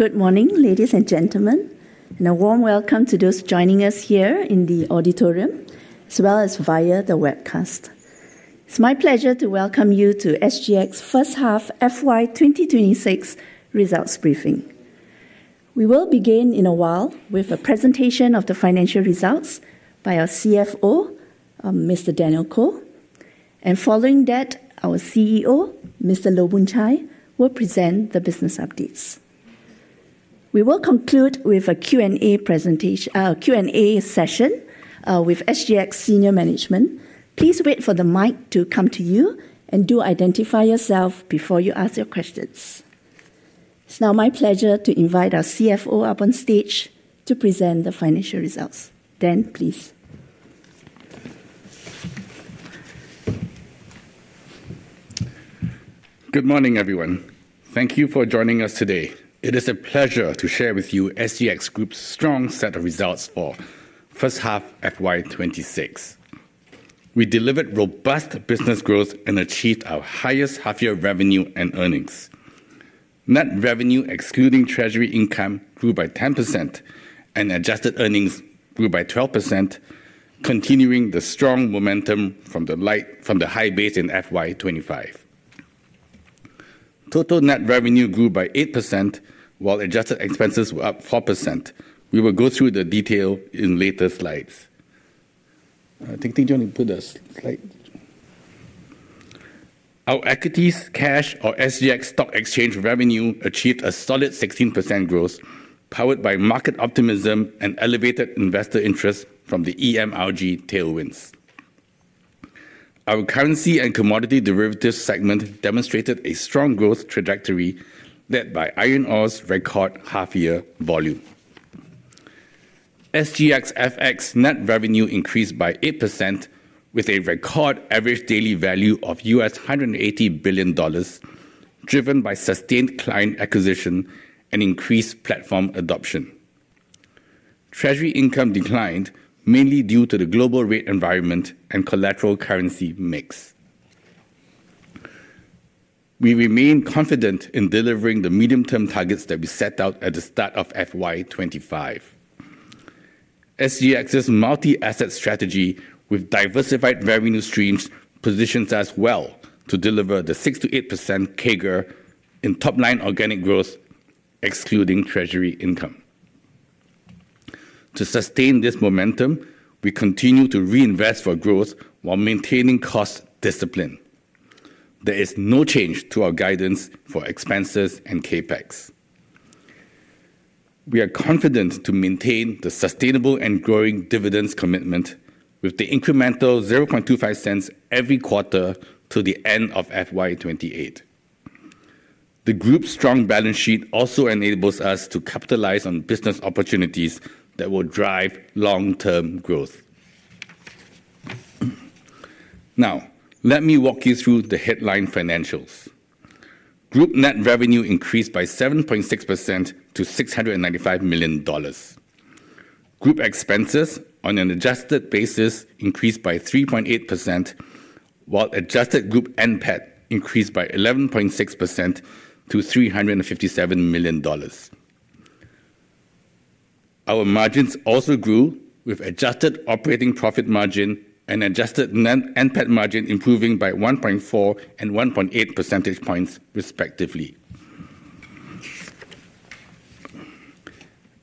Good morning, ladies and gentlemen, and a warm welcome to those joining us here in the auditorium, as well as via the webcast. It's my pleasure to welcome you to SGX first half FY 2026 results briefing. We will begin in a while with a presentation of the financial results by our CFO, Mr. Daniel Koh, and following that, our CEO, Mr. Loh Boon Chye, will present the business updates. We will conclude with a Q&A session with SGX senior management. Please wait for the mic to come to you and do identify yourself before you ask your questions. It's now my pleasure to invite our CFO up on stage to present the financial results. Dan, please. Good morning, everyone. Thank you for joining us today. It is a pleasure to share with you SGX Group's strong set of results for first half FY 2026. We delivered robust business growth and achieved our highest half-year revenue and earnings. Net revenue excluding Treasury income grew by 10%, and adjusted earnings grew by 12%, continuing the strong mtomentum from the high base in FY 2025. Total net revenue grew by 8%, while adjusted expenses were up 4%. We will go through the detail in later slides. I think they're going to put a slide. Our equities, cash, or SGX Stock Exchange revenue achieved a solid 16% growth, powered by market optimism and elevated investor interest from the EMRG tailwinds. Our currency and commodity derivatives segment demonstrated a strong growth trajectory led by iron ore's record half-year volume. SGX FX net revenue increased by 8%, with a record average daily value of $180 billion, driven by sustained client acquisition and increased platform adoption. Treasury income declined, mainly due to the global rate environment and collateral currency mix. We remain confident in delivering the medium-term targets that we set out at the start of FY 2025. SGX's multi-asset strategy, with diversified revenue streams, positions us well to deliver the 6%-8% CAGR in top-line organic growth, excluding Treasury income. To sustain this momentum, we continue to reinvest for growth while maintaining cost discipline. There is no change to our guidance for expenses and CapEx. We are confident to maintain the sustainable and growing dividends commitment, with the incremental 0.0025 every quarter to the end of FY 2028. The group's strong balance sheet also enables us to capitalize on business opportunities that will drive long-term growth. Now, let me walk you through the headline financials. Group net revenue increased by 7.6% to 695 million dollars. Group expenses, on an adjusted basis, increased by 3.8%, while adjusted group NPAT increased by 11.6% to 357 million dollars. Our margins also grew, with adjusted operating profit margin and adjusted net NPAT margin improving by 1.4% and 1.8%, respectively.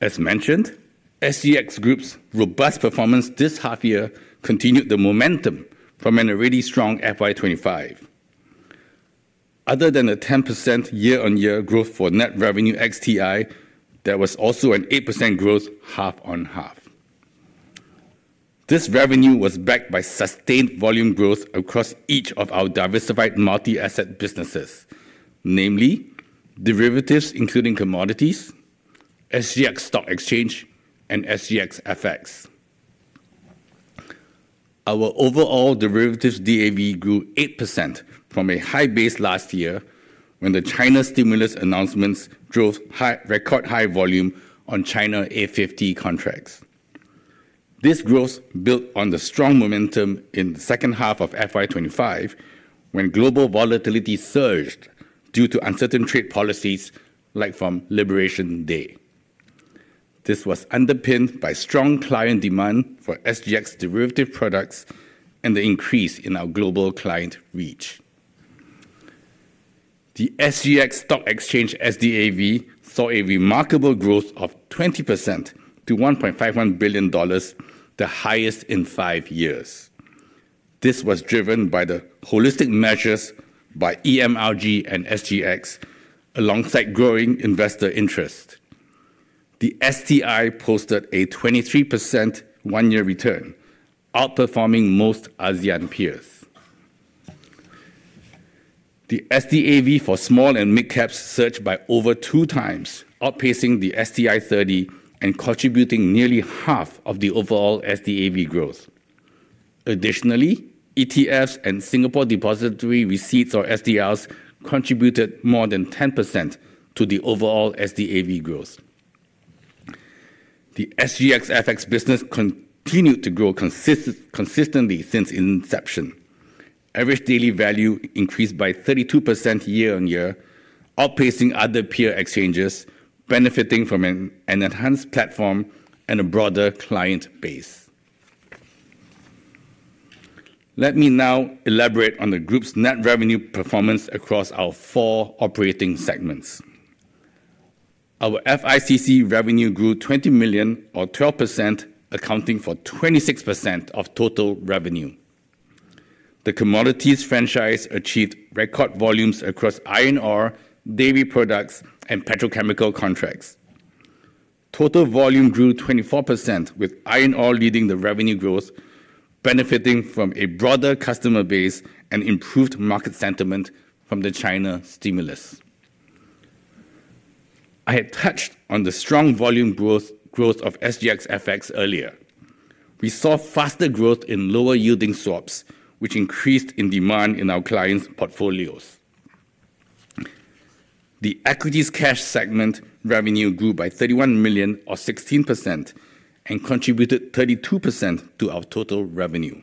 As mentioned, SGX Group's robust performance this half-year continued the momentum from an already strong FY 2025. Other than the 10% year-on-year growth for net revenue ex-TI, there was also an 8% growth half-on-half. This revenue was backed by sustained volume growth across each of our diversified multi-asset businesses, namely derivatives including commodities, SGX Stock Exchange, and SGX FX. Our overall derivatives DAV grew 8% from a high base last year, when the China stimulus announcements drove record high volume on China A50 contracts. This growth built on the strong momentum in the second half of FY 2025, when global volatility surged due to uncertain trade policies like from Liberation Day. This was underpinned by strong client demand for SGX derivative products and the increase in our global client reach. The SGX Stock Exchange SDAV saw a remarkable growth of 20% to 1.51 billion dollars, the highest in five years. This was driven by the holistic measures by EMRG and SGX, alongside growing investor interest. The STI posted a 23% one-year return, outperforming most ASEAN peers. The SDAV for small and mid-caps surged by over two times, outpacing the STI 30 and contributing nearly half of the overall SDAV growth. Additionally, ETFs and Singapore Depository Receipts or SDRs contributed more than 10% to the overall SDAV growth. The SGX FX business continued to grow consistently since inception. Average daily value increased by 32% year-on-year, outpacing other peer exchanges, benefiting from an enhanced platform and a broader client base. Let me now elaborate on the group's net revenue performance across our four operating segments. Our FICC revenue grew 20 million, or 12%, accounting for 26% of total revenue. The commodities franchise achieved record volumes across iron ore, dairy products, and petrochemical contracts. Total volume grew 24%, with iron ore leading the revenue growth, benefiting from a broader customer base and improved market sentiment from the China stimulus. I had touched on the strong volume growth of SGX FX earlier. We saw faster growth in lower-yielding swaps, which increased in demand in our clients' portfolios. The equities cash segment revenue grew by 31 million, or 16%, and contributed 32% to our total revenue.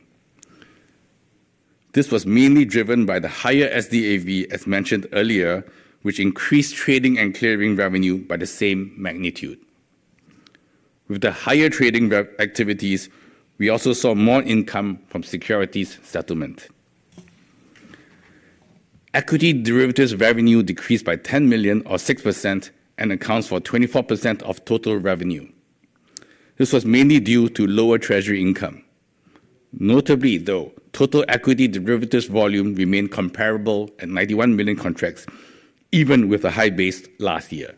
This was mainly driven by the higher SDAV, as mentioned earlier, which increased trading and clearing revenue by the same magnitude. With the higher trading activities, we also saw more income from securities settlement. Equity derivatives revenue decreased by 10 million, or 6%, and accounts for 24% of total revenue. This was mainly due to lower Treasury income. Notably, though, total equity derivatives volume remained comparable at 91 million contracts, even with a high base last year.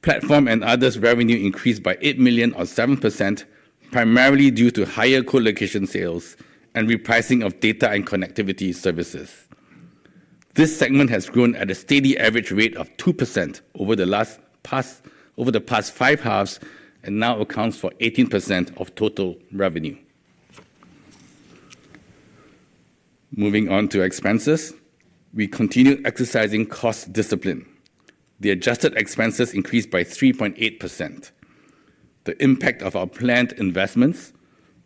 Platform and Others revenue increased by 8 million, or 7%, primarily due to higher collocation sales and repricing of data and connectivity services. This segment has grown at a steady average rate of 2% over the past five halves and now accounts for 18% of total revenue. Moving on to expenses, we continue exercising cost discipline. The adjusted expenses increased by 3.8%. The impact of our planned investments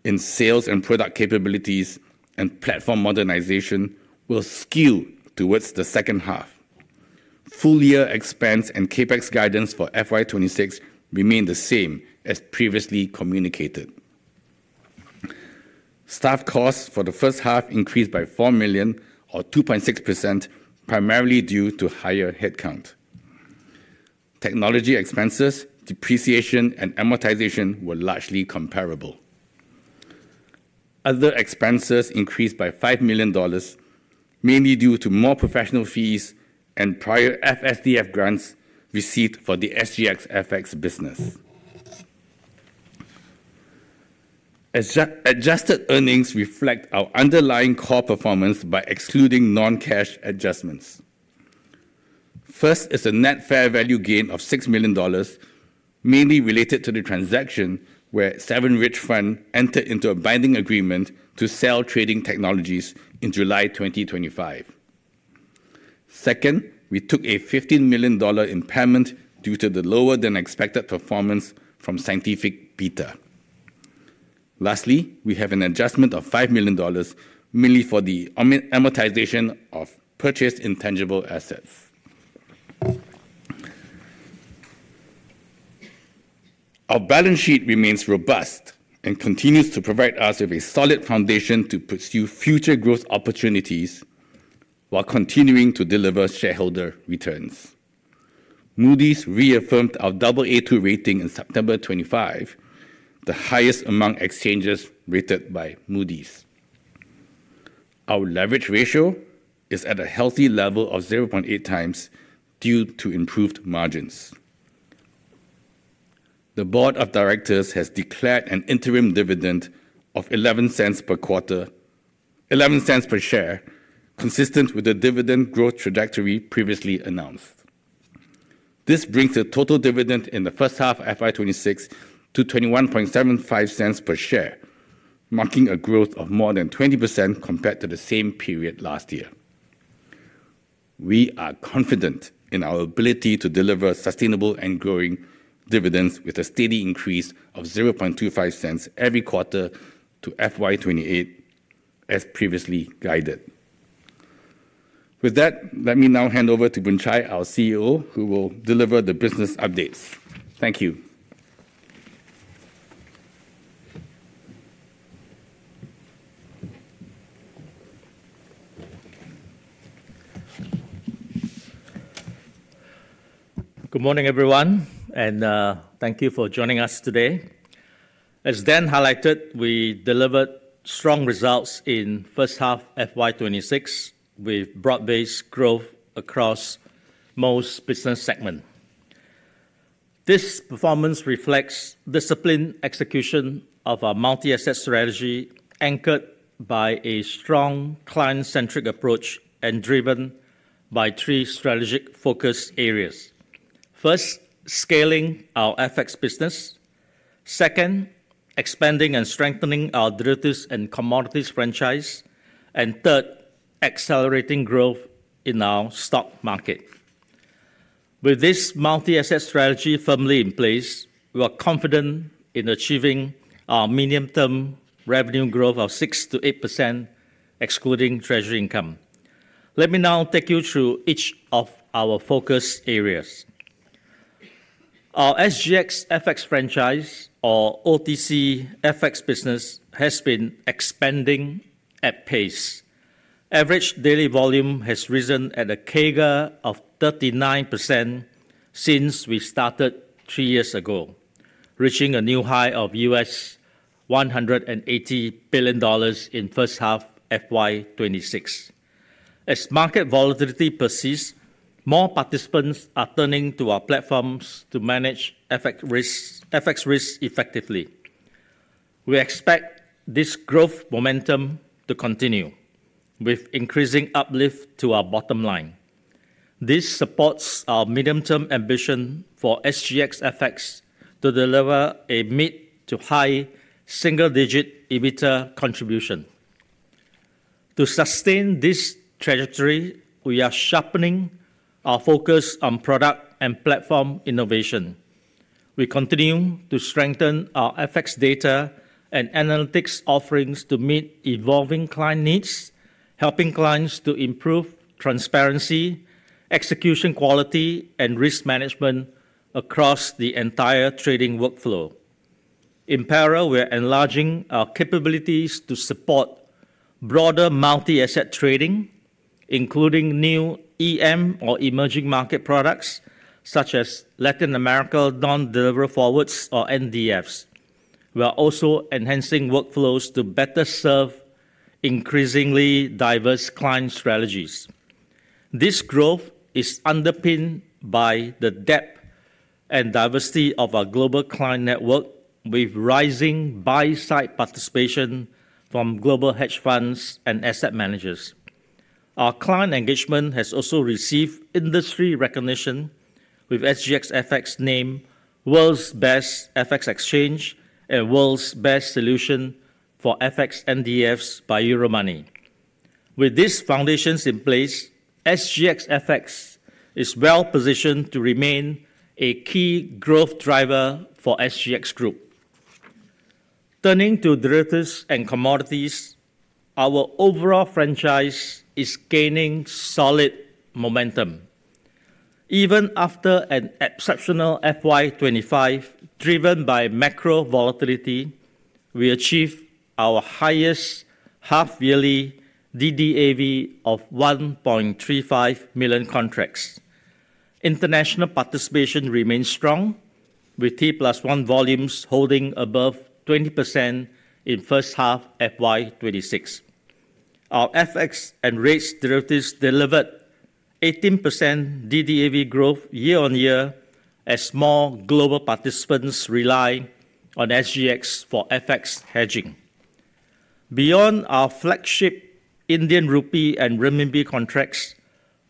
in sales and product capabilities and platform modernization will skew towards the second half. Full-year expense and CapEx guidance for FY 2026 remain the same as previously communicated. Staff costs for the first half increased by 4 million, or 2.6%, primarily due to higher headcount. Technology expenses, depreciation, and amortization were largely comparable. Other expenses increased by 5 million dollars, mainly due to more professional fees and prior FSDF grants received for the SGX FX business. Adjusted earnings reflect our underlying core performance by excluding non-cash adjustments. First is a net fair value gain of 6 million dollars, mainly related to the transaction where 7RIDGE entered into a binding agreement to sell Trading Technologies in July 2025. Second, we took a 15 million dollar impairment due to the lower-than-expected performance from Scientific Beta. Lastly, we have an adjustment of 5 million dollars, mainly for the amortization of purchased intangible assets. Our balance sheet remains robust and continues to provide us with a solid foundation to pursue future growth opportunities while continuing to deliver shareholder returns. Moody's reaffirmed our AA2 rating in September 2025, the highest among exchanges rated by Moody's. Our leverage ratio is at a healthy level of 0.8x, due to improved margins. The board of directors has declared an interim dividend of 0.11 per quarter, consistent with the dividend growth trajectory previously announced. This brings the total dividend in the first half of FY 2026 to 0.2175 per share, marking a growth of more than 20% compared to the same period last year. We are confident in our ability to deliver sustainable and growing dividends with a steady increase of 0.0025 every quarter to FY 2028, as previously guided. With that, let me now hand over to Boon Chye, our CEO, who will deliver the business updates. Thank you. Good morning, everyone, and thank you for joining us today. As Dan highlighted, we delivered strong results in first half FY 2026, with broad-based growth across most business segments. This performance reflects disciplined execution of our multi-asset strategy, anchored by a strong client-centric approach and driven by three strategic focus areas: first, scaling our FX business; second, expanding and strengthening our derivatives and commodities franchise; and third, accelerating growth in our stock market. With this multi-asset strategy firmly in place, we are confident in achieving our medium-term revenue growth of 6%-8%, excluding Treasury income. Let me now take you through each of our focus areas. Our SGX FX franchise, or OTC FX business, has been expanding at pace. Average daily volume has risen at a CAGR of 39% since we started three years ago, reaching a new high of $180 billion in first half FY 2026. As market volatility persists, more participants are turning to our platforms to manage FX risk effectively. We expect this growth momentum to continue, with increasing uplift to our bottom line. This supports our medium-term ambition for SGX FX to deliver a mid to high single-digit EBITDA contribution. To sustain this trajectory, we are sharpening our focus on product and platform innovation. We continue to strengthen our FX data and analytics offerings to meet evolving client needs, helping clients to improve transparency, execution quality, and risk management across the entire trading workflow. In parallel, we are enlarging our capabilities to support broader multi-asset trading, including new EM or emerging market products such as Latin American non-deliverable forwards or NDFs. We are also enhancing workflows to better serve increasingly diverse client strategies. This growth is underpinned by the depth and diversity of our global client network, with rising buy-side participation from global hedge funds and asset managers. Our client engagement has also received industry recognition, with SGX FX named world's best FX exchange and world's best solution for FX NDFs by Euromoney. With these foundations in place, SGX FX is well-positioned to remain a key growth driver for SGX Group. Turning to derivatives and commodities, our overall franchise is gaining solid momentum. Even after an exceptional FY 2025 driven by macro volatility, we achieved our highest half-yearly DDAV of 1.35 million contracts. International participation remains strong, with T+1 volumes holding above 20% in first half FY 2026. Our FX and REITs derivatives delivered 18% DDAV growth year-on-year, as more global participants rely on SGX for FX hedging. Beyond our flagship Indian Rupee and RMB contracts,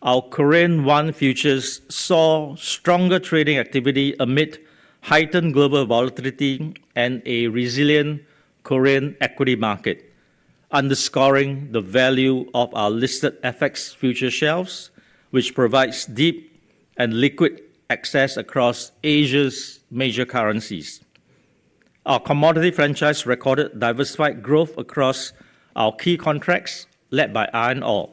our Korean Won futures saw stronger trading activity amid heightened global volatility and a resilient Korean equity market, underscoring the value of our listed FX futures shelves, which provide deep and liquid access across Asia's major currencies. Our commodity franchise recorded diversified growth across our key contracts, led by iron ore.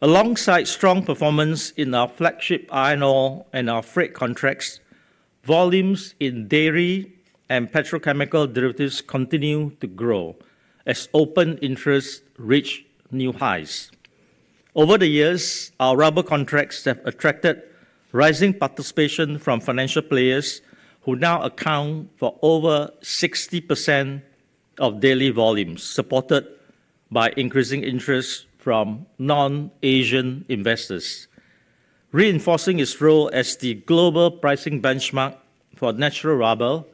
Alongside strong performance in our flagship iron ore and our freight contracts, volumes in dairy and petrochemical derivatives continue to grow as open interest reached new highs. Over the years, our rubber contracts have attracted rising participation from financial players, who now account for over 60% of daily volumes, supported by increasing interest from non-Asian investors. Reinforcing its role as the global pricing benchmark for natural rubber,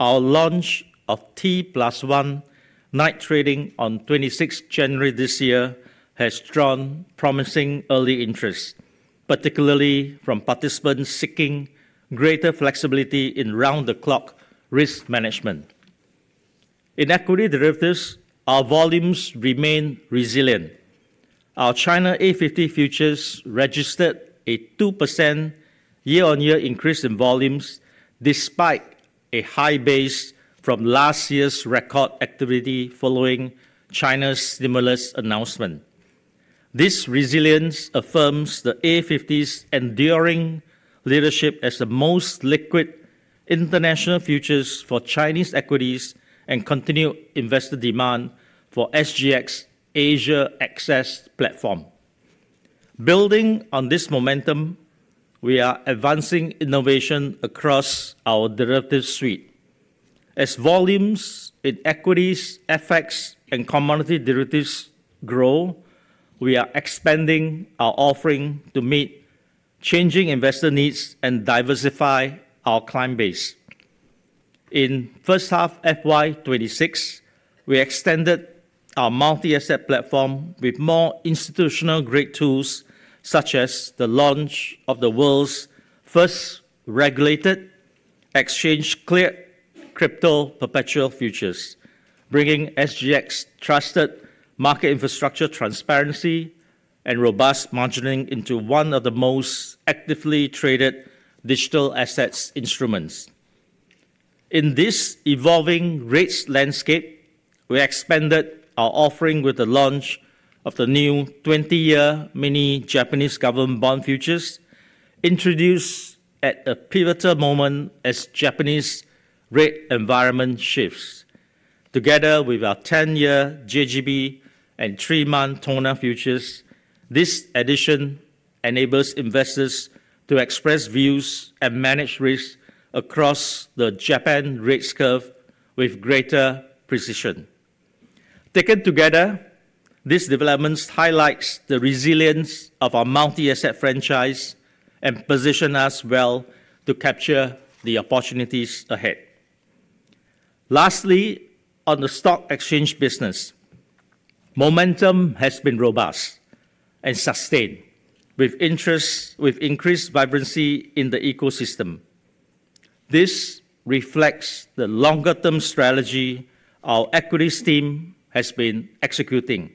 our launch of T+1 night trading on 26 January this year has drawn promising early interest, particularly from participants seeking greater flexibility in round-the-clock risk management. In equity derivatives, our volumes remain resilient. Our China A50 futures registered a 2% year-on-year increase in volumes, despite a high base from last year's record activity following China's stimulus announcement. This resilience affirms the A50's enduring leadership as the most liquid international futures for Chinese equities and continued investor demand for SGX Asia Access platform. Building on this momentum, we are advancing innovation across our derivatives suite. As volumes in equities, FX, and commodity derivatives grow, we are expanding our offering to meet changing investor needs and diversify our client base. In first half FY 2026, we extended our multi-asset platform with more institutional-grade tools, such as the launch of the world's first regulated exchange-cleared crypto perpetual futures, bringing SGX's trusted market infrastructure transparency and robust margining into one of the most actively traded digital assets instruments. In this evolving REITs landscape, we expanded our offering with the launch of the new 20-year mini–Japanese Government Bond futures, introduced at a pivotal moment as Japanese REIT environment shifts. Together with our 10-year JGB and three-month TONA futures, this addition enables investors to express views and manage risk across the Japan REITs curve with greater precision. Taken together, this development highlights the resilience of our multi-asset franchise and positions us well to capture the opportunities ahead. Lastly, on the stock exchange business, momentum has been robust and sustained, with increased vibrancy in the ecosystem. This reflects the longer-term strategy our equities team has been executing: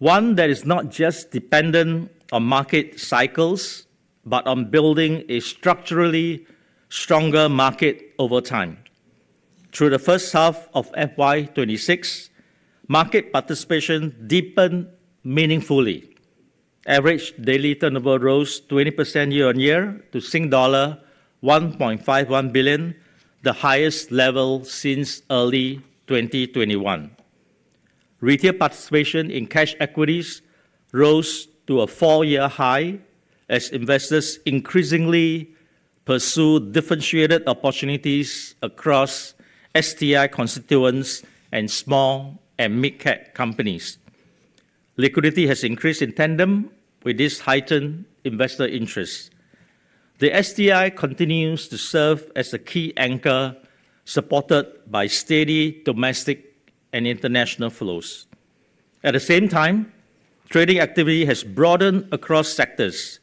one that is not just dependent on market cycles, but on building a structurally stronger market over time. Through the first half of FY 2026, market participation deepened meaningfully. Average daily turnover rose 20% year-on-year to Sing dollar 1.51 billion, the highest level since early 2021. Retail participation in cash equities rose to a four-year high as investors increasingly pursue differentiated opportunities across STI constituents and small and mid-cap companies. Liquidity has increased in tandem with this heightened investor interest. The STI continues to serve as a key anchor, supported by steady domestic and international flows. At the same time, trading activity has broadened across sectors,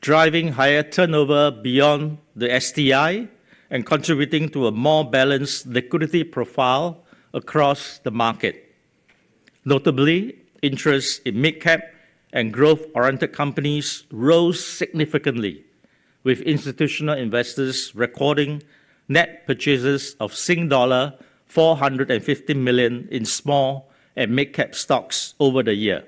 driving higher turnover beyond the STI and contributing to a more balanced liquidity profile across the market. Notably, interest in mid-cap and growth-oriented companies rose significantly, with institutional investors recording net purchases of Sing dollar 450 million in small and mid-cap stocks over the year.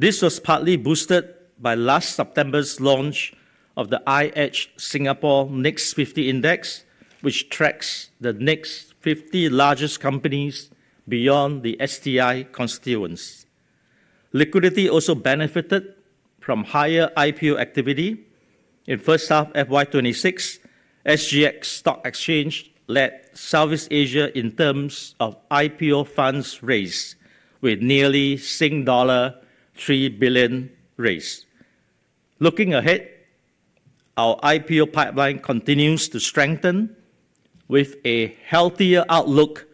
This was partly boosted by last September's launch of the iEdge Singapore Next50 Index, which tracks the Next50 largest companies beyond the STI constituents. Liquidity also benefited from higher IPO activity. In first half FY 2026, SGX Stock Exchange led Southeast Asia in terms of IPO funds raise, with nearly dollar 3 billion raised. Looking ahead, our IPO pipeline continues to strengthen, with a healthier outlook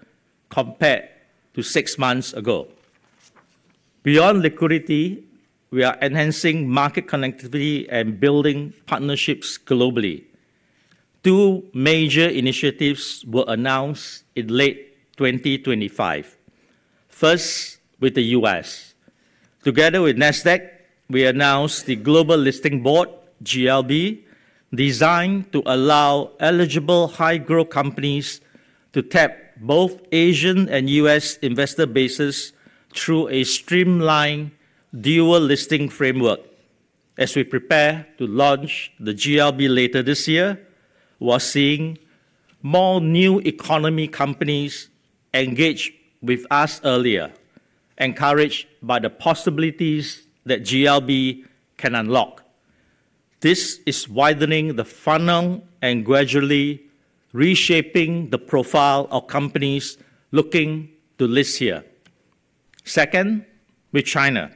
compared to six months ago. Beyond liquidity, we are enhancing market connectivity and building partnerships globally. Two major initiatives were announced in late 2025. First, with the U.S. Together with NASDAQ, we announced the Global Listing Board (GLB) designed to allow eligible high-growth companies to tap both Asian and U.S. investor bases through a streamlined dual listing framework. As we prepare to launch the GLB later this year, we are seeing more new economy companies engage with us earlier, encouraged by the possibilities that GLB can unlock. This is widening the funnel and gradually reshaping the profile of companies looking to list here. Second, with China.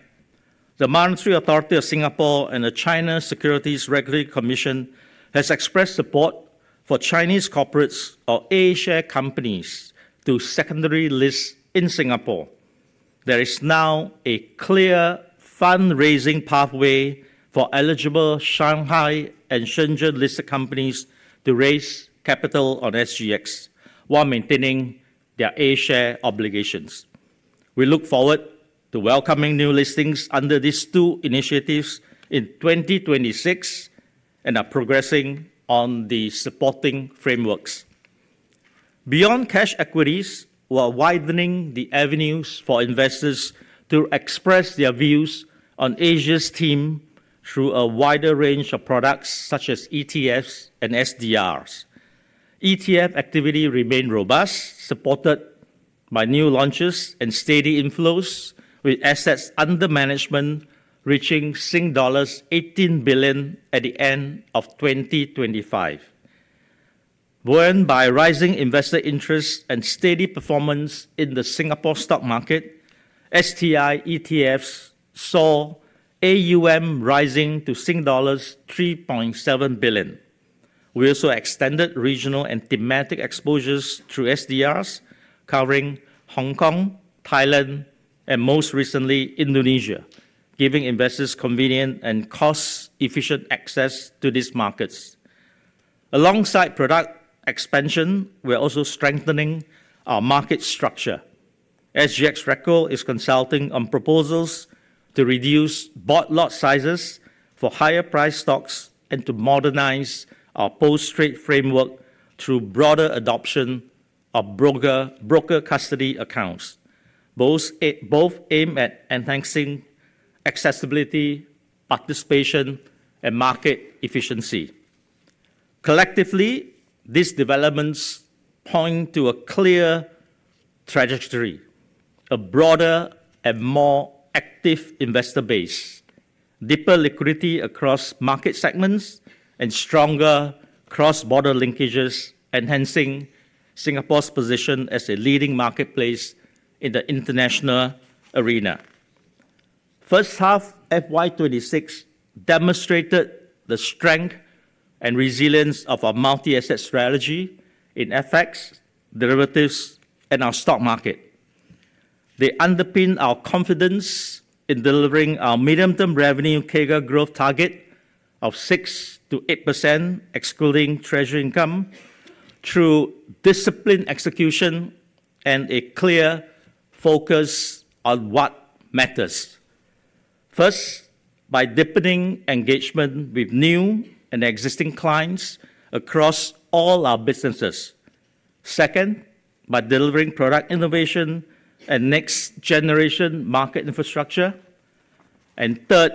The Monetary Authority of Singapore and the China Securities Regulatory Commission have expressed support for Chinese corporates, or A-share companies, to secondary list in Singapore. There is now a clear fundraising pathway for eligible Shanghai and Shenzhen listed companies to raise capital on SGX, while maintaining their A-share obligations. We look forward to welcoming new listings under these two initiatives in 2026 and are progressing on the supporting frameworks. Beyond cash equities, we are widening the avenues for investors to express their views on Asia's theme through a wider range of products such as ETFs and SDRs. ETF activity remains robust, supported by new launches and steady inflows, with assets under management reaching dollars 18 billion at the end of 2025. Driven by rising investor interest and steady performance in the Singapore stock market, STI ETFs saw AUM rising to Sing dollars 3.7 billion. We also extended regional and thematic exposures through SDRs, covering Hong Kong, Thailand, and most recently, Indonesia, giving investors convenient and cost-efficient access to these markets. Alongside product expansion, we are also strengthening our market structure. SGX RegCo is consulting on proposals to reduce board lot sizes for higher-priced stocks and to modernize our post-trade framework through broader adoption of broker custody accounts. Both aim at enhancing accessibility, participation, and market efficiency. Collectively, these developments point to a clear trajectory: a broader and more active investor base, deeper liquidity across market segments, and stronger cross-border linkages, enhancing Singapore's position as a leading marketplace in the international arena. First half FY 2026 demonstrated the strength and resilience of our multi-asset strategy in FX, derivatives, and our stock market. They underpinned our confidence in delivering our medium-term revenue CAGR growth target of 6%-8%, excluding treasury income, through disciplined execution and a clear focus on what matters. First, by deepening engagement with new and existing clients across all our businesses. Second, by delivering product innovation and next-generation market infrastructure. Third,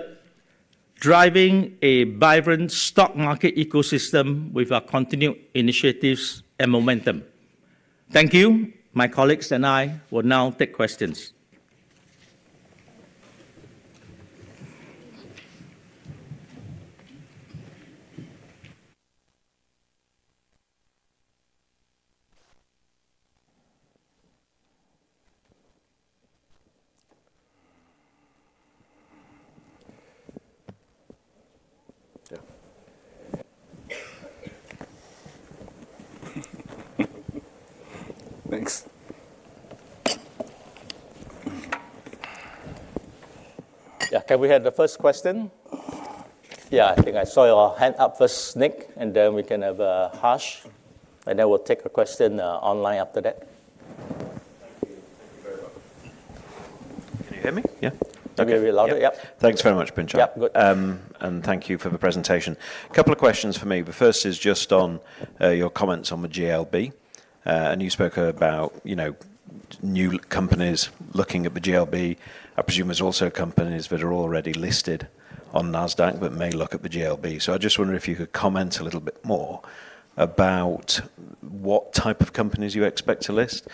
driving a vibrant stock market ecosystem with our continued initiatives and momentum. Thank you. My colleagues and I will now take questions. Yeah. Can we have the first question? Yeah. I think I saw your hand up first, Nick, and then we can have Harsh, and then we'll take a question online after that. Can you hear me? Yeah. Okay. Can you hear me louder? Yep. Thanks very much, Boon Chye. Yeah. Good. And thank you for the presentation. A couple of questions for me. The first is just on your comments on the GLB. And you spoke about new companies looking at the GLB. I presume there's also companies that are already listed on NASDAQ but may look at the GLB. So I just wonder if you could comment a little bit more about what type of companies you expect to list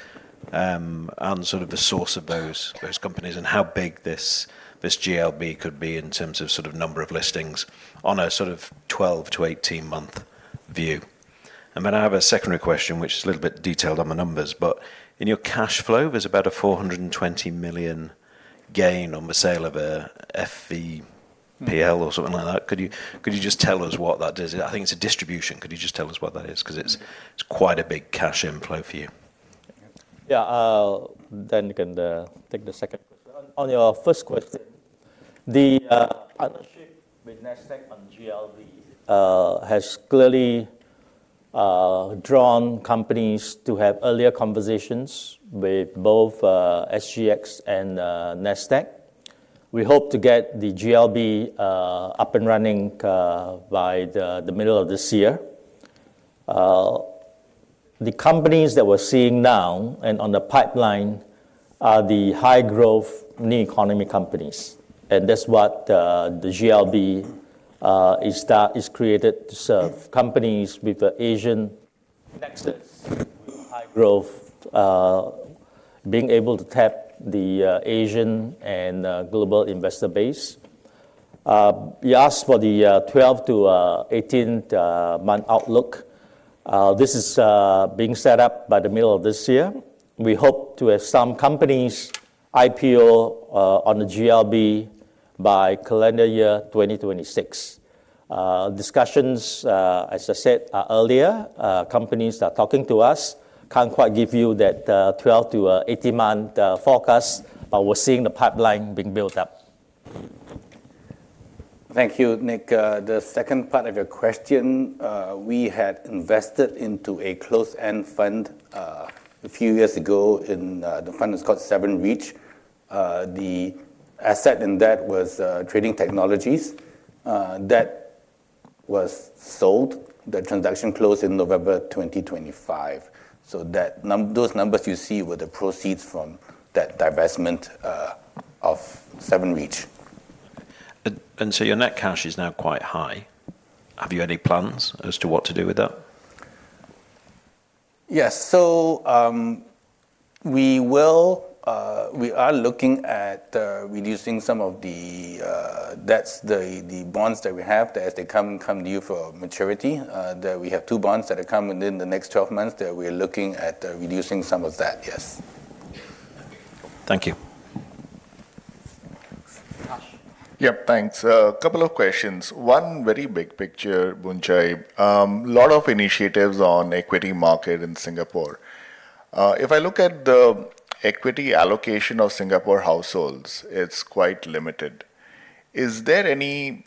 and sort of the source of those companies and how big this GLB could be in terms of sort of number of listings on a sort of 12-18-month view. And then I have a secondary question, which is a little bit detailed on the numbers. But in your cash flow, there's about a 420 million gain on the sale of a FVPL or something like that. Could you just tell us what that is? I think it's a distribution. Could you just tell us what that is? Because it's quite a big cash inflow for you. Yeah. Then you can take the second question. On your first question, the partnership with NASDAQ on GLB has clearly drawn companies to have earlier conversations with both SGX and NASDAQ. We hope to get the GLB up and running by the middle of this year. The companies that we're seeing now and on the pipeline are the high-growth new economy companies. That's what the GLB is created to serve: companies with an Asian nexus, with high growth, being able to tap the Asian and global investor base. You asked for the 12-18-month outlook. This is being set up by the middle of this year. We hope to have some companies IPO on the GLB by calendar year 2026. Discussions, as I said, are earlier. Companies that are talking to us can't quite give you that 12-18-month forecast, but we're seeing the pipeline being built up. Thank you. Nick, the second part of your question, we had invested into a closed end fund a few years ago. The fund is called 7RIDGE. The asset in that was Trading Technologies. That was sold. The transaction closed in November 2025. So those numbers you see were the proceeds from that divestment of 7RIDGE. And so your net cash is now quite high. Have you any plans as to what to do with that? Yes. So we are looking at reducing some of the debts, the bonds that we have, as they come due for maturity. We have two bonds that come within the next 12 months that we are looking at reducing some of that, yes. Thank you. Yep. Thanks. A couple of questions. One very big picture, Boon Chye. A lot of initiatives on equity market in Singapore. If I look at the equity allocation of Singapore households, it's quite limited. Is there any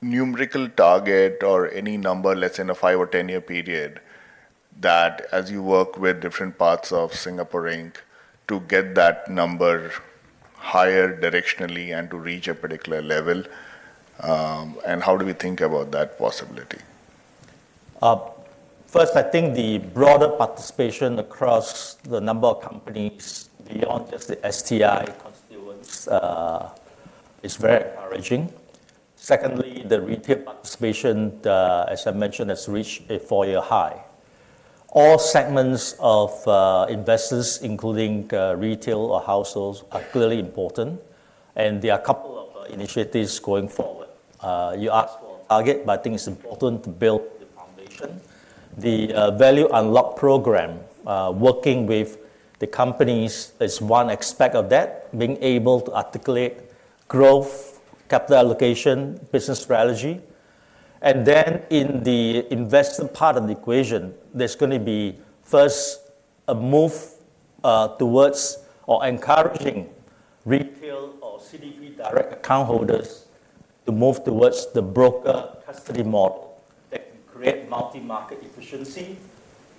numerical target or any number, let's say, in a five or 10-year period, that as you work with different parts of Singapore Inc., to get that number higher directionally and to reach a particular level? And how do we think about that possibility? First, I think the broader participation across the number of companies beyond just the STI constituents is very encouraging. Secondly, the retail participation, as I mentioned, has reached a four-year high. All segments of investors, including retail or households, are clearly important. There are a couple of initiatives going forward. You asked for a target, but I think it's important to build the foundation. The Value Unlock Program, working with the companies, is one aspect of that: being able to articulate growth, capital allocation, business strategy. Then in the investor part of the equation, there's going to be, first, a move towards or encouraging retail or CDP direct account holders to move towards the broker custody model that can create multi-market efficiency.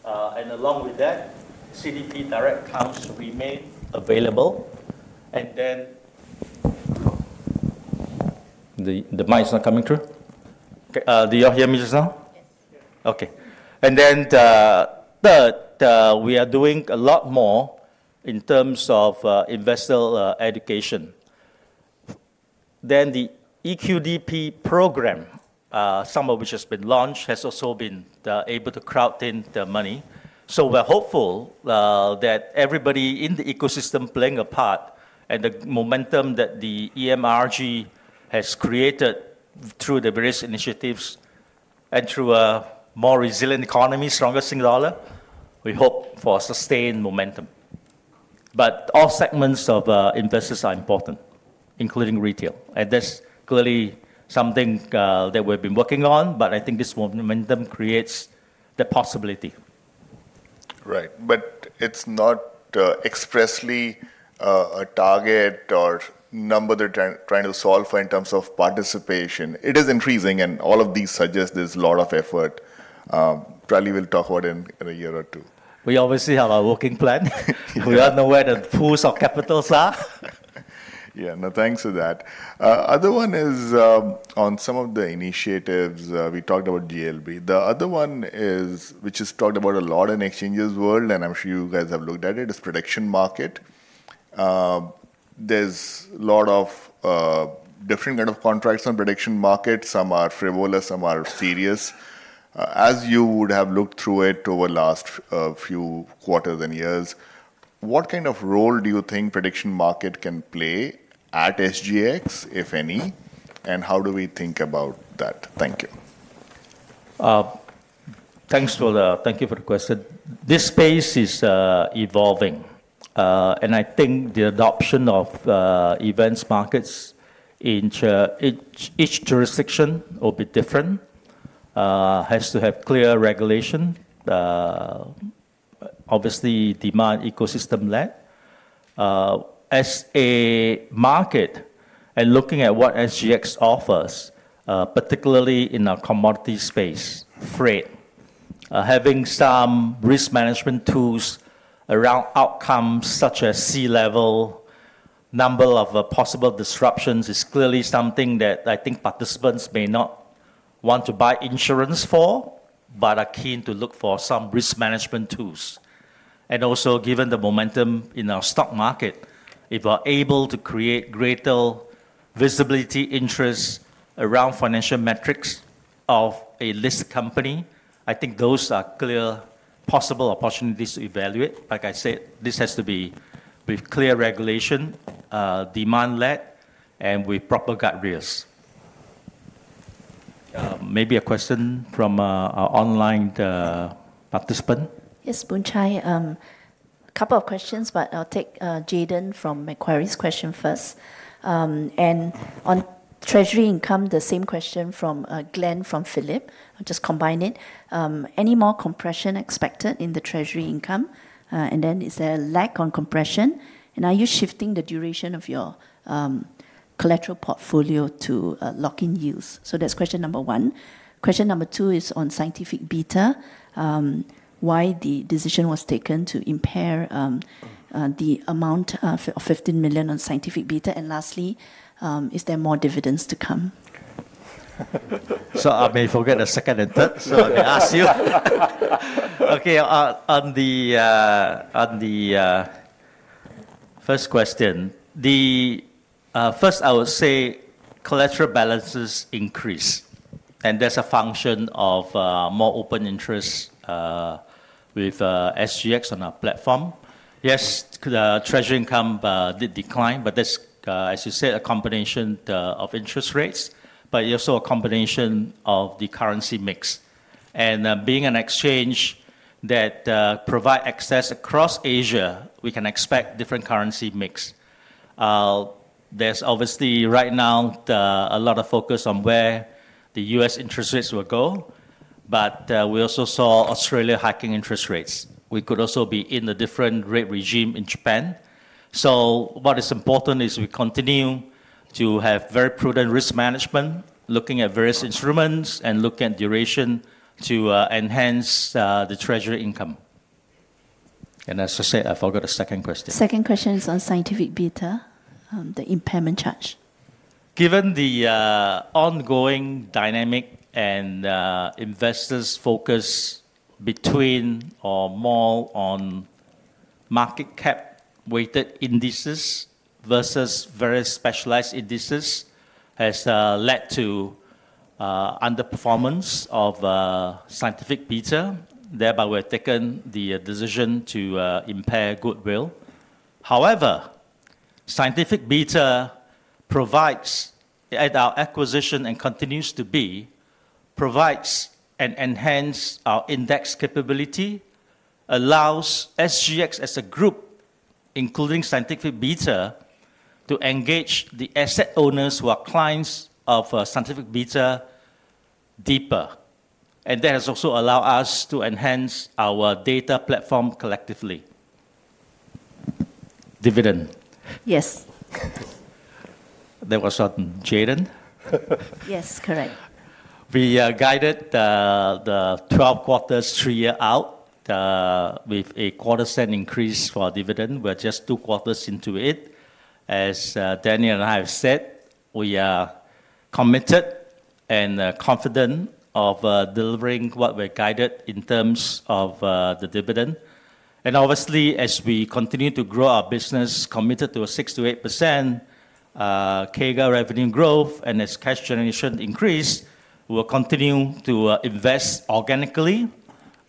Along with that, CDP direct accounts remain available. Then the mic is not coming through. Do you all hear me just now? Okay. Then third, we are doing a lot more in terms of investor education. The EQDP program, some of which has been launched, has also been able to crowd in the money. We're hopeful that everybody in the ecosystem playing a part and the momentum that the EMRG has created through the various initiatives and through a more resilient economy, stronger Singapore, we hope for sustained momentum. But all segments of investors are important, including retail. That's clearly something that we've been working on. But I think this momentum creates the possibility. Right. But it's not expressly a target or number they're trying to solve for in terms of participation. It is increasing. All of these suggest there's a lot of effort. Truly, we'll talk about it in a year or two. We obviously have our working plan. We don't know where the pools of capitals are. Yeah. No thanks for that. Other one is on some of the initiatives. We talked about GLB. The other one, which is talked about a lot in the exchange's world, and I'm sure you guys have looked at it, is prediction market. There's a lot of different kinds of contracts on prediction market. Some are frivolous. Some are serious. As you would have looked through it over the last few quarters and years, what kind of role do you think prediction market can play at SGX, if any? And how do we think about that? Thank you. Thanks for the question. This space is evolving. And I think the adoption of events markets in each jurisdiction will be different. It has to have clear regulation. Obviously, demand ecosystem led. As a market and looking at what SGX offers, particularly in our commodity space, freight, having some risk management tools around outcomes such as sea level, number of possible disruptions is clearly something that I think participants may not want to buy insurance for but are keen to look for some risk management tools. And also, given the momentum in our stock market, if we're able to create greater visibility, interest around financial metrics of a listed company, I think those are clear possible opportunities to evaluate. Like I said, this has to be with clear regulation, demand-led, and with proper guardrails. Maybe a question from our online participant? Yes, Boon Chye. A couple of questions, but I'll take Jayden from Macquarie's question first. And on treasury income, the same question from Glenn from Phillip. I'll just combine it. Any more compression expected in the treasury income? Then is there a lack of compression? And are you shifting the duration of your collateral portfolio to lock-in yields? So that's question number one. Question number two is on Scientific Beta. Why the decision was taken to impair the amount of 15 million on Scientific Beta? And lastly, is there more dividends to come? So I may forget the second and third, so I may ask you. Okay. On the first question, first, I would say collateral balances increase. And there's a function of more open interest with SGX on our platform. Yes, the treasury income did decline. But that's, as you said, a combination of interest rates. But it's also a combination of the currency mix. And being an exchange that provides access across Asia, we can expect different currency mix. There's obviously, right now, a lot of focus on where the U.S. interest rates will go. But we also saw Australia hiking interest rates. We could also be in a different rate regime in Japan. So what is important is we continue to have very prudent risk management, looking at various instruments and looking at duration to enhance the treasury income. And as I said, I forgot the second question. Second question is on Scientific Beta, the impairment charge. Given the ongoing dynamic and investors' focus between or more on market cap-weighted indices versus very specialized indices has led to underperformance of Scientific Beta, thereby we have taken the decision to impair goodwill. However, Scientific Beta provides, at our acquisition and continues to be, provides and enhances our index capability, allows SGX as a group, including Scientific Beta, to engage the asset owners who are clients of Scientific Beta deeper. And that has also allowed us to enhance our data platform collectively. Dividend. Yes. That was not Jayden. Yes, correct. We guided the 12 quarters, three years out, with a quarter-cent increase for dividend. We're just two quarters into it. As Daniel and I have said, we are committed and confident of delivering what we're guided in terms of the dividend. And obviously, as we continue to grow our business, committed to a 6%-8% CAGR revenue growth and as cash generation increases, we will continue to invest organically.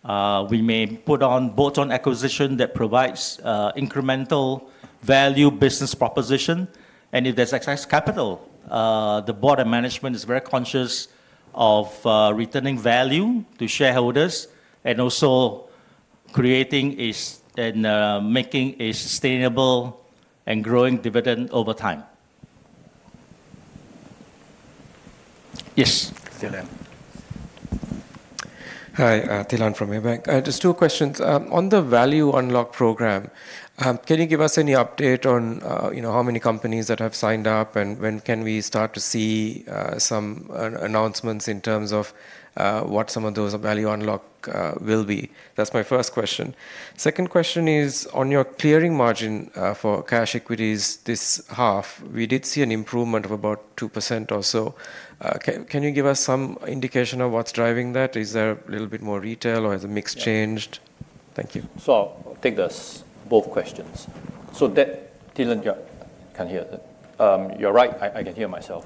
We may put on bolt-on acquisition that provides incremental value business proposition. And if there's excess capital, the board and management are very conscious of returning value to shareholders and also creating and making a sustainable and growing dividend over time. Yes, Thilan? Hi. Thilan from Maybank. Just two questions. On the Value Unlock Program, can you give us any update on how many companies that have signed up and when can we start to see some announcements in terms of what some of those Value Unlock will be? That's my first question. Second question is, on your clearing margin for cash equities this half, we did see an improvement of about 2% or so. Can you give us some indication of what's driving that? Is there a little bit more retail or has the mix changed? Thank you. So I'll take both questions. So Thilan, you can hear it. You're right. I can hear myself.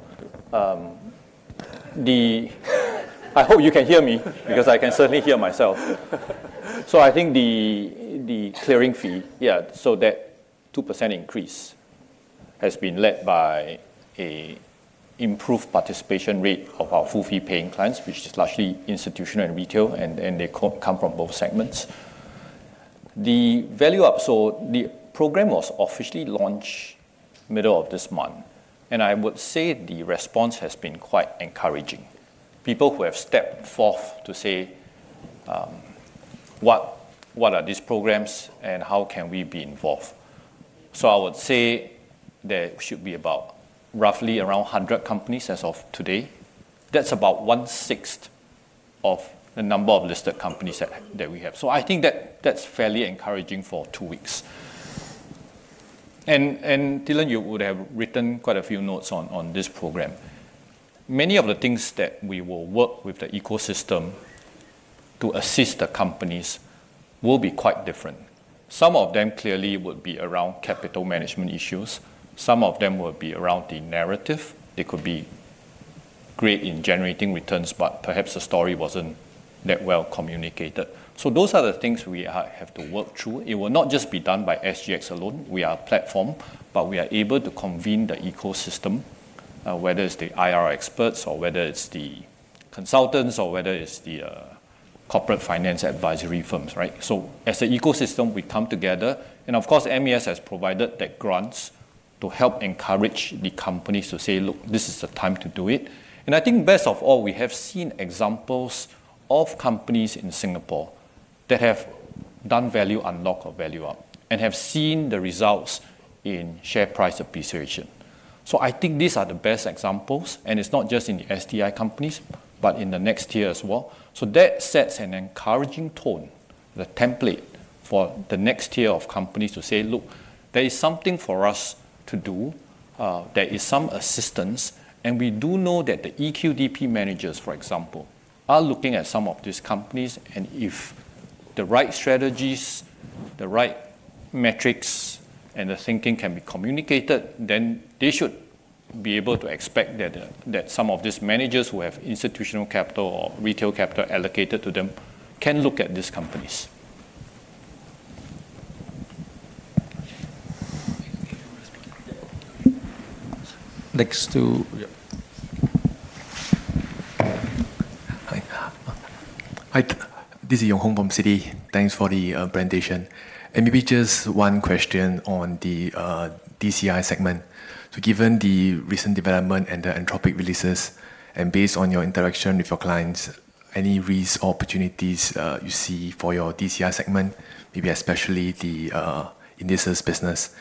I hope you can hear me because I can certainly hear myself. So I think the clearing fee, yeah, so that 2% increase has been led by an improved participation rate of our full-fee paying clients, which is largely institutional and retail. They come from both segments. The program was officially launched middle of this month. I would say the response has been quite encouraging. People who have stepped forth to say, "What are these programs? And how can we be involved?" I would say there should be roughly around 100 companies as of today. That's about one-sixth of the number of listed companies that we have. I think that's fairly encouraging for two weeks. Thilan, you would have written quite a few notes on this program. Many of the things that we will work with the ecosystem to assist the companies will be quite different. Some of them clearly would be around capital management issues. Some of them will be around the narrative. They could be great in generating returns, but perhaps the story wasn't that well communicated. So those are the things we have to work through. It will not just be done by SGX alone. We are a platform, but we are able to convene the ecosystem, whether it's the IR experts or whether it's the consultants or whether it's the corporate finance advisory firms, right? So as the ecosystem, we come together. And of course, MAS has provided the grants to help encourage the companies to say, "Look, this is the time to do it." And I think best of all, we have seen examples of companies in Singapore that have done Value Unlock or Value Up and have seen the results in share price appreciation. So I think these are the best examples. And it's not just in the STI companies, but in the next tier as well. So that sets an encouraging tone, the template for the next tier of companies to say, "Look, there is something for us to do. There is some assistance." And we do know that the EQDP managers, for example, are looking at some of these companies. And if the right strategies, the right metrics, and the thinking can be communicated, then they should be able to expect that some of these managers who have institutional capital or retail capital allocated to them can look at these companies. This is Yong Hong from Citi. Thanks for the presentation. And maybe just one question on the DCI segment. So given the recent development and the Anthropic releases and based on your interaction with your clients, any risks or opportunities you see for your DCI segment, maybe especially the indices business?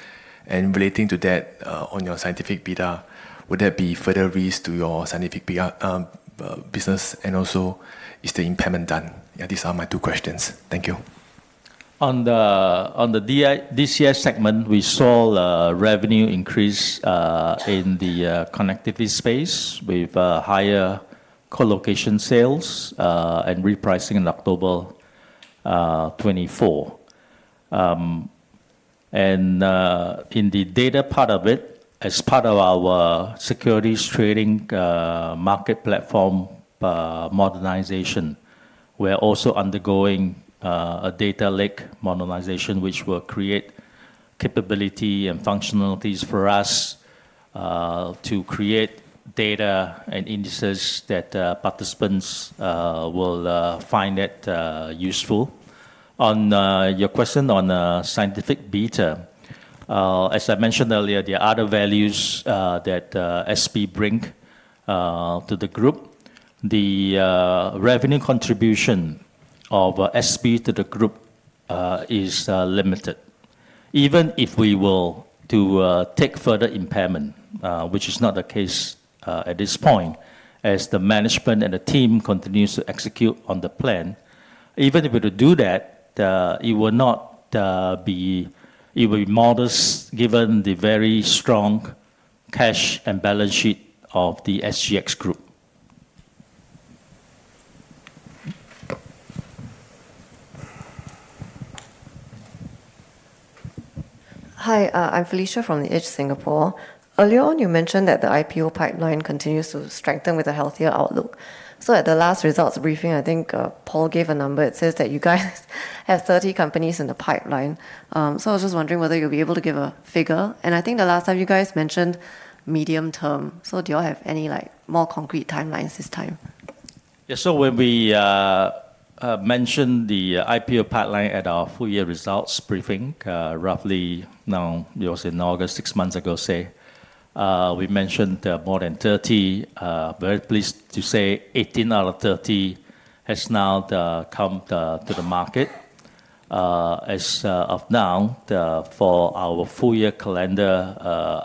Relating to that, on your Scientific Beta, would there be further risks to your Scientific Beta business? And also, is the impairment done? These are my two questions. Thank you. On the DCI segment, we saw a revenue increase in the connectivity space with higher collocation sales and repricing in October 2024. In the data part of it, as part of our securities trading market platform modernization, we are also undergoing a data lake modernization, which will create capability and functionalities for us to create data and indices that participants will find useful. On your question on Scientific Beta, as I mentioned earlier, there are other values that SB bring to the group. The revenue contribution of SB to the group is limited. Even if we will take further impairment, which is not the case at this point as the management and the team continues to execute on the plan, even if we do that, it will not be, it will be modest given the very strong cash and balance sheet of the SGX Group. Hi. I'm Felicia from The Edge Singapore. Earlier on, you mentioned that the IPO pipeline continues to strengthen with a healthier outlook. So at the last results briefing, I think Pol gave a number. It says that you guys have 30 companies in the pipeline. So I was just wondering whether you'll be able to give a figure. And I think the last time you guys mentioned medium term. So do you all have any more concrete timelines this time? Yeah. So when we mentioned the IPO pipeline at our full-year results briefing, roughly now—you also in August, six months ago, say—we mentioned more than 30. Very pleased to say 18 out of 30 has now come to the market. As of now, for our full-year calendar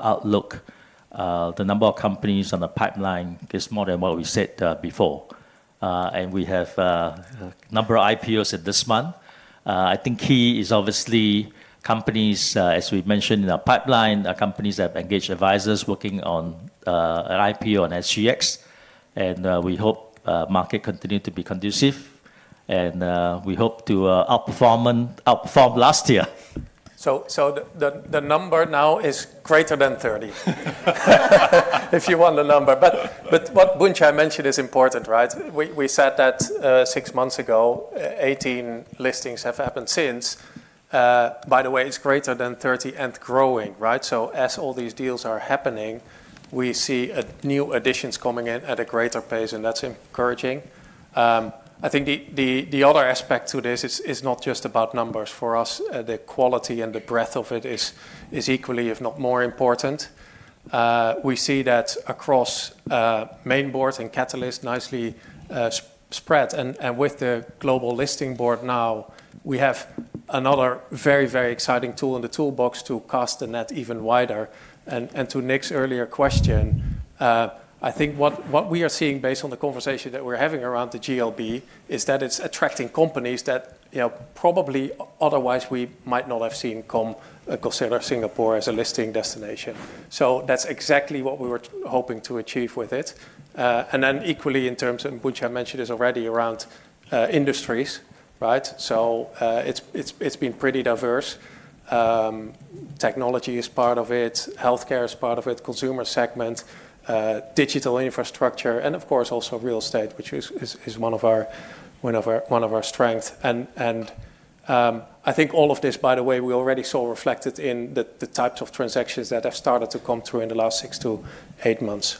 outlook, the number of companies on the pipeline is more than what we said before. And we have a number of IPOs in this month. I think key is obviously companies, as we mentioned, in our pipeline, companies that have engaged advisors working on an IPO on SGX. And we hope market continues to be conducive. And we hope to outperform last year. So the number now is greater than 30 if you want the number. But what Boon Chye mentioned is important, right? We said that six months ago, 18 listings have happened since. By the way, it's greater than 30 and growing, right? So as all these deals are happening, we see new additions coming in at a greater pace. And that's encouraging. I think the other aspect to this is not just about numbers. For us, the quality and the breadth of it is equally, if not more important. We see that across Mainboard and Catalist nicely spread. And with the Global Listing Board now, we have another very, very exciting tool in the toolbox to cast the net even wider. And to Nick's earlier question, I think what we are seeing based on the conversation that we're having around the GLB is that it's attracting companies that probably otherwise we might not have seen come consider Singapore as a listing destination. So that's exactly what we were hoping to achieve with it. And then equally, in terms of, and Boon Chye mentioned this already around industries, right? So it's been pretty diverse. Technology is part of it. Healthcare is part of it. Consumer segment. Digital infrastructure. And of course, also real estate, which is one of our strengths. And I think all of this, by the way, we already saw reflected in the types of transactions that have started to come through in the last six to eight months.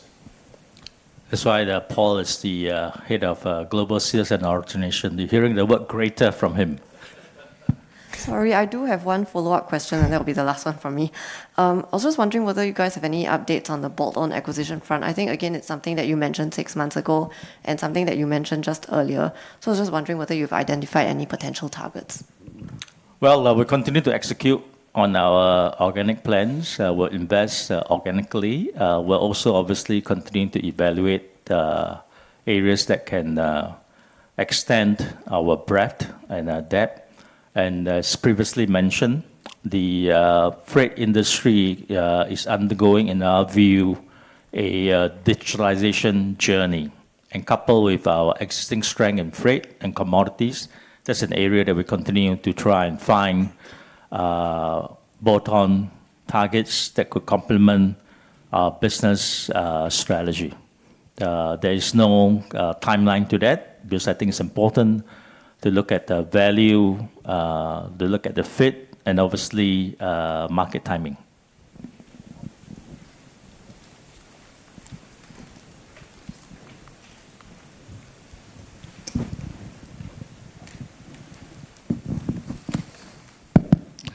That's why Pol is the Head of Global Sales and Origination. You're hearing the word greater from him. Sorry. I do have one follow-up question. That will be the last one from me. I was just wondering whether you guys have any updates on the bolt-on acquisition front. I think, again, it's something that you mentioned 6 months ago and something that you mentioned just earlier. So I was just wondering whether you've identified any potential targets. Well, we continue to execute on our organic plans. We'll invest organically. We'll also obviously continue to evaluate areas that can extend our breadth and depth. And as previously mentioned, the freight industry is undergoing, in our view, a digitalization journey. And coupled with our existing strength in freight and commodities, that's an area that we continue to try and find bolt-on targets that could complement our business strategy. There is no timeline to that because I think it's important to look at the value, to look at the fit, and obviously, market timing.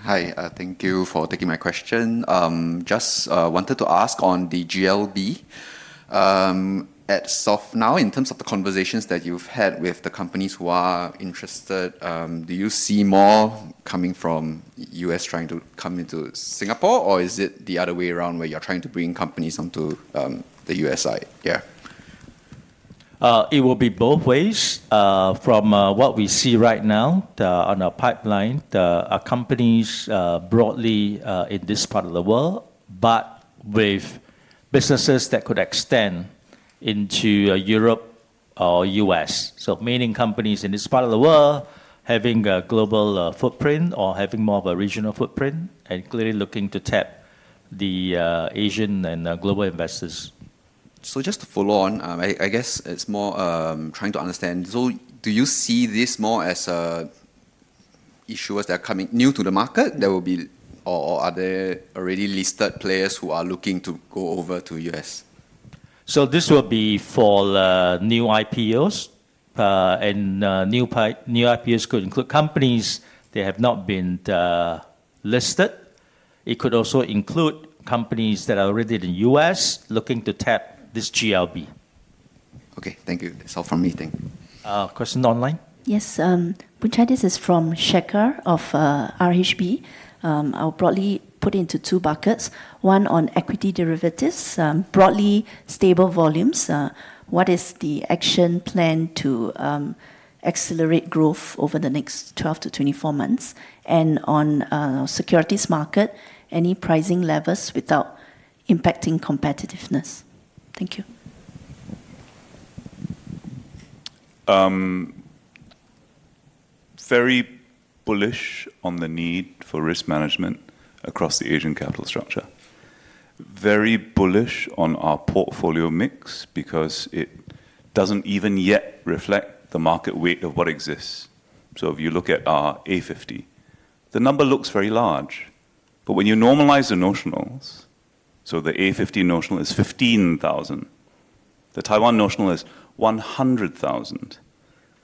Hi. Thank you for taking my question. Just wanted to ask on the GLB. Now, in terms of the conversations that you've had with the companies who are interested, do you see more coming from the U.S. trying to come into Singapore? Or is it the other way around where you're trying to bring companies onto the U.S. side? Yeah. It will be both ways. From what we see right now on our pipeline, our companies broadly in this part of the world, but with businesses that could extend into Europe or U.S. So mainly companies in this part of the world having a global footprint or having more of a regional footprint and clearly looking to tap the Asian and global investors. So just to follow on, I guess it's more trying to understand. So do you see this more as issuers that are coming new to the market that will be or are there already listed players who are looking to go over to the U.S? So this will be for new IPOs. And new IPOs could include companies that have not been listed. It could also include companies that are already in the U.S. looking to tap this GLB. Okay. Thank you. That's all from me. Thank you. Question online? Yes. Boon Chye, this is from Shekhar of RHB. I'll broadly put it into two buckets. One on equity derivatives, broadly stable volumes. What is the action plan to accelerate growth over the next 12 to 24 months? And on securities market, any pricing levers without impacting competitiveness? Thank you. Very bullish on the need for risk management across the Asian capital structure. Very bullish on our portfolio mix because it doesn't even yet reflect the market weight of what exists. So if you look at our A50, the number looks very large. But when you normalize the notionals so the A50 notional is 15,000. The Taiwan notional is 100,000.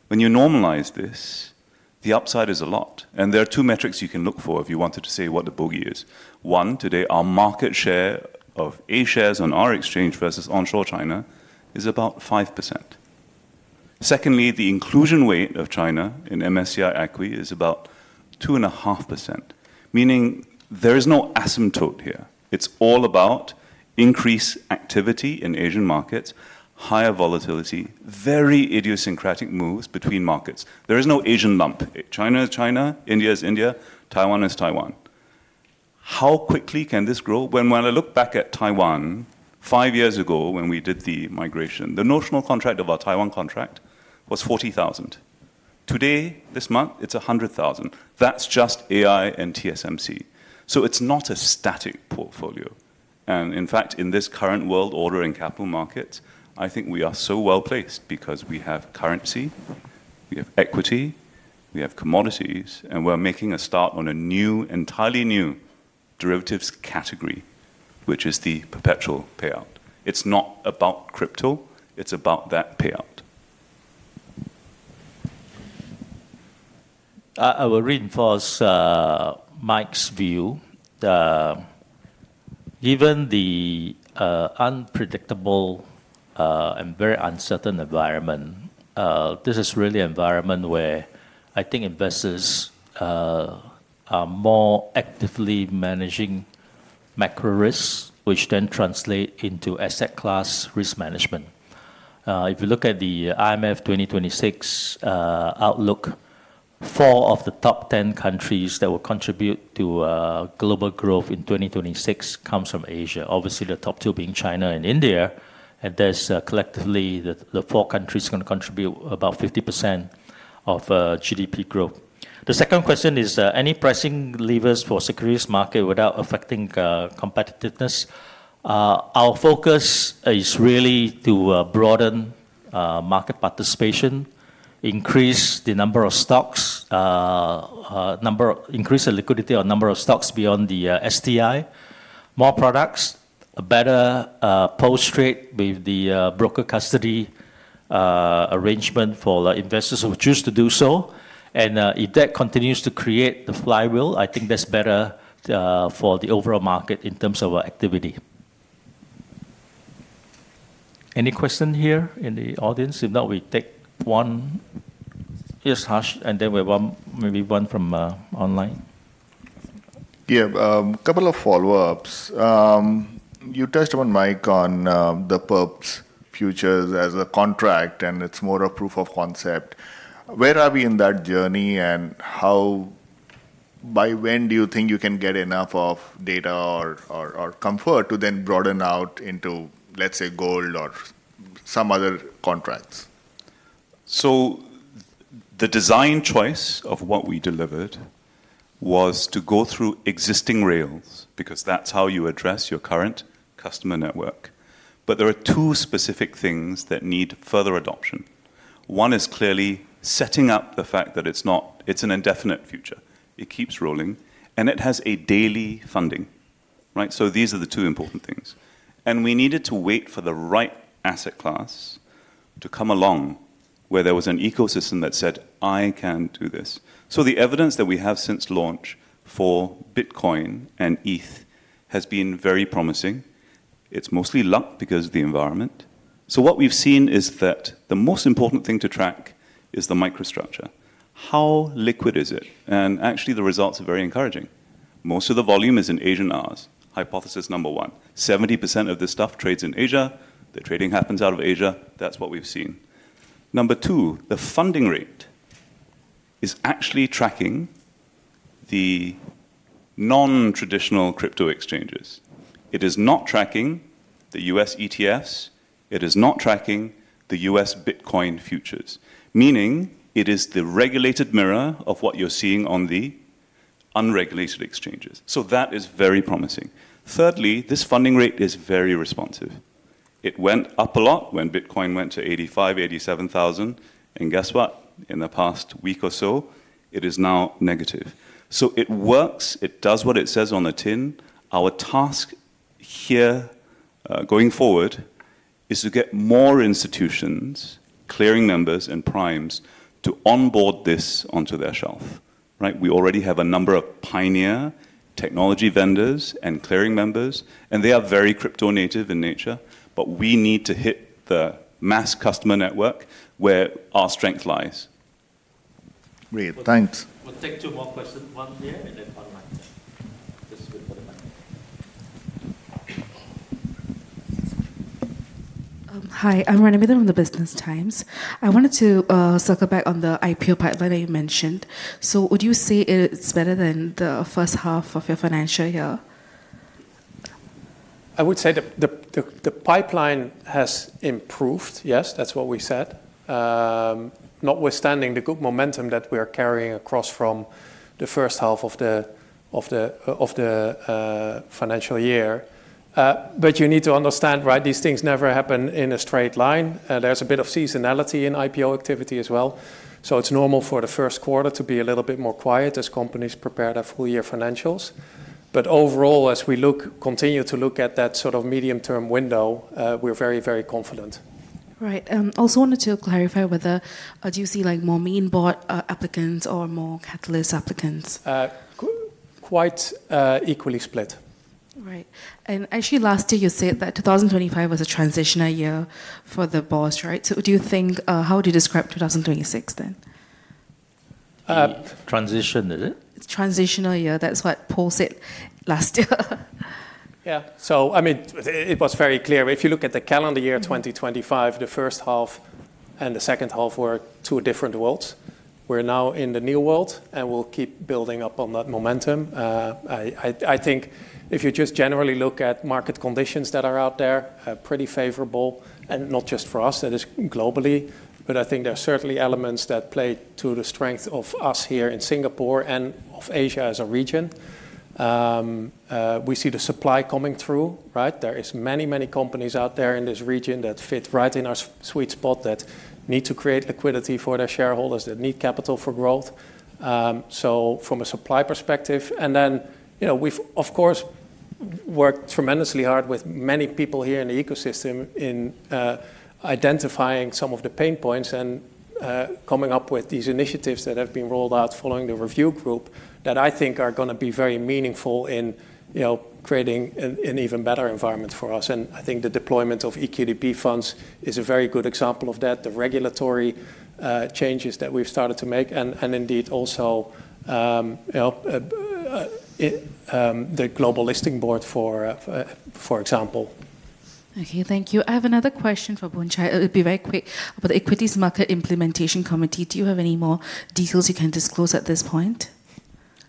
When you normalize this, the upside is a lot. There are two metrics you can look for if you wanted to say what the bogey is. One, today, our market share of A-shares on our exchange versus onshore China is about 5%. Secondly, the inclusion weight of China in MSCI Equity is about 2.5%, meaning there is no asymptote here. It's all about increased activity in Asian markets, higher volatility, very idiosyncratic moves between markets. There is no Asian lump. China is China. India is India. Taiwan is Taiwan. How quickly can this grow? When I look back at Taiwan five years ago when we did the migration, the notional contract of our Taiwan contract was 40,000. Today, this month, it's 100,000. That's just AI and TSMC. So it's not a static portfolio. And in fact, in this current world order and capital markets, I think we are so well-placed because we have currency. We have equity. We have commodities. We're making a start on a new, entirely new derivatives category, which is the perpetual payout. It's not about crypto. It's about that payout. I will reinforce Mike's view. Given the unpredictable and very uncertain environment, this is really an environment where I think investors are more actively managing macro risks, which then translate into asset class risk management. If you look at the IMF 2026 outlook, four of the top 10 countries that will contribute to global growth in 2026 come from Asia, obviously the top two being China and India. There's collectively, the four countries are going to contribute about 50% of GDP growth. The second question is, any pricing levers for securities market without affecting competitiveness? Our focus is really to broaden market participation, increase the number of stocks, increase the liquidity or number of stocks beyond the STI, more products, a better post-trade with the broker custody arrangement for investors who choose to do so. And if that continues to create the flywheel, I think that's better for the overall market in terms of our activity. Any question here in the audience? If not, we take one. Yes, Harsh. And then we have maybe one from online. Yeah. A couple of follow-ups. You touched on, Mike, on the perps futures as a contract. And it's more a proof of concept. Where are we in that journey? And by when do you think you can get enough of data or comfort to then broaden out into, let's say, gold or some other contracts? The design choice of what we delivered was to go through existing rails because that's how you address your current customer network. But there are two specific things that need further adoption. One is clearly setting up the fact that it's an indefinite future. It keeps rolling. And it has a daily funding, right? So these are the two important things. And we needed to wait for the right asset class to come along where there was an ecosystem that said, "I can do this." So the evidence that we have since launch for Bitcoin and ETH has been very promising. It's mostly luck because of the environment. So what we've seen is that the most important thing to track is the microstructure. How liquid is it? And actually, the results are very encouraging. Most of the volume is in Asian hours, hypothesis number one. 70% of this stuff trades in Asia. The trading happens out of Asia. That's what we've seen. Number two, the funding rate is actually tracking the non-traditional crypto exchanges. It is not tracking the US ETFs. It is not tracking the US Bitcoin futures, meaning it is the regulated mirror of what you're seeing on the unregulated exchanges. So that is very promising. Thirdly, this funding rate is very responsive. It went up a lot when Bitcoin went to 85,000, 87,000. And guess what? In the past week or so, it is now negative. So it works. It does what it says on the tin. Our task here going forward is to get more institutions, clearing members, and primes to onboard this onto their shelf, right? We already have a number of pioneer technology vendors and clearing members. And they are very crypto-native in nature. But we need to hit the mass customer network where our strength lies. Great. Thanks. We'll take two more questions. One here and then one last. Just wait for the mic. Hi. I'm from The Business Times. I wanted to circle back on the IPO pipeline that you mentioned. So would you say it's better than the first half of your financial year? I would say the pipeline has improved. Yes. That's what we said. Notwithstanding the good momentum that we are carrying across from the first half of the financial year. But you need to understand, right, these things never happen in a straight line. There's a bit of seasonality in IPO activity as well. So it's normal for the first quarter to be a little bit more quiet as companies prepare their full-year financials. But overall, as we continue to look at that sort of medium-term window, we're very, very confident. Right. I also wanted to clarify whether do you see more Mainboard applicants or more Catalist applicants? Quite equally split. Right. And actually, last year, you said that 2025 was a transitional year for the boards, right? So do you think how would you describe 2026 then? Transition, is it? It's transitional year. That's what Pol said last year. Yeah. So I mean, it was very clear. If you look at the calendar year, 2025, the first half and the second half were two different worlds. We're now in the new world. And we'll keep building up on that momentum. I think if you just generally look at market conditions that are out there, pretty favorable and not just for us. That is globally. I think there are certainly elements that play to the strength of us here in Singapore and of Asia as a region. We see the supply coming through, right? There are many, many companies out there in this region that fit right in our sweet spot, that need to create liquidity for their shareholders, that need capital for growth. So from a supply perspective, and then we've, of course, worked tremendously hard with many people here in the ecosystem in identifying some of the pain points and coming up with these initiatives that have been rolled out following the Review Group that I think are going to be very meaningful in creating an even better environment for us. And I think the deployment of EQDP funds is a very good example of that, the regulatory changes that we've started to make, and indeed also the Global Listing Board, for example. Okay. Thank you. I have another question for Boon Chye. It would be very quick. About the Equities Market Implementation Committee, do you have any more details you can disclose at this point?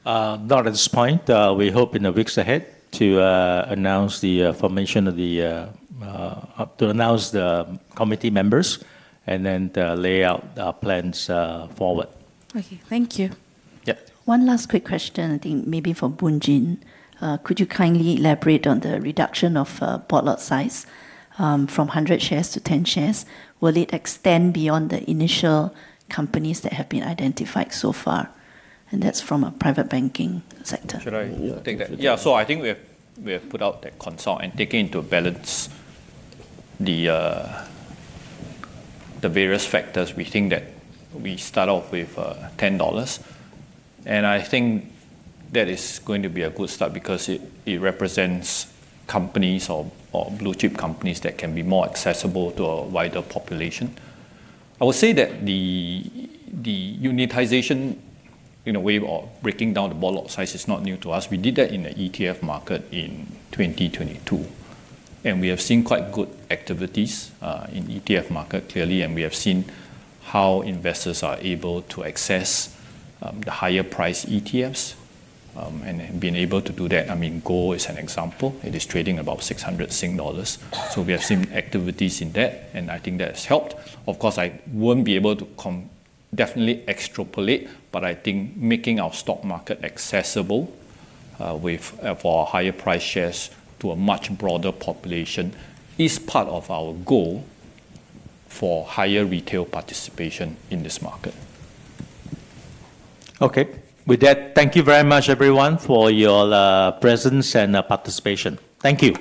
Not at this point. We hope in the weeks ahead to announce the formation of the committee members and then lay out our plans forward. Okay. Thank you. Yeah. One last quick question, I think, maybe for Boon Chye. Could you kindly elaborate on the reduction of board lot size from 100 shares to 10 shares? Will it extend beyond the initial companies that have been identified so far? And that's from a private banking sector. Should I take that? Yeah. So I think we have put out that consult and taken into balance the various factors. We think that we start off with 10 dollars. And I think that is going to be a good start because it represents companies or blue-chip companies that can be more accessible to a wider population. I would say that the unitization in a way of breaking down the board lot size is not new to us. We did that in the ETF market in 2022. And we have seen quite good activities in the ETF market, clearly. And we have seen how investors are able to access the higher-priced ETFs and have been able to do that. I mean, gold is an example. It is trading about 600 dollars. So we have seen activities in that. And I think that has helped. Of course, I won't be able to definitely extrapolate. But I think making our stock market accessible for higher-priced shares to a much broader population is part of our goal for higher retail participation in this market. Okay. With that, thank you very much, everyone, for your presence and participation. Thank you.